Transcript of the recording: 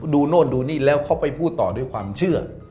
โน่นดูนี่แล้วเขาไปพูดต่อด้วยความเชื่อ